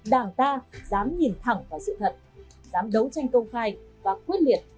đảng ta dám nhìn thẳng vào sự thật dám đấu tranh công khai và quyết liệt